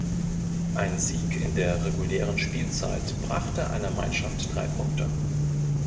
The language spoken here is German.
Ein Sieg in der regulären Spielzeit brachte einer Mannschaft drei Punkte.